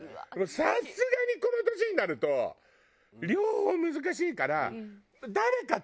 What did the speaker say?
さすがにこの年になると両方は難しいから。